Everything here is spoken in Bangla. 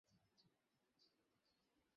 ইউসুফ বলল, তোমরা সাত বছর একাদিক্রমে চাষ করবে।